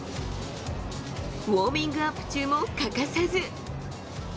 ウォーミングアップ中も欠かさず。